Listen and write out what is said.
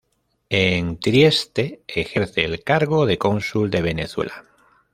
En Trieste ejerce el cargo de Cónsul de Venezuela.